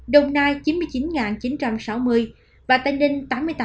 đồng nai chín mươi chín chín trăm sáu mươi tây ninh tám mươi tám năm trăm ba mươi chín